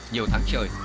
nhiều tháng trời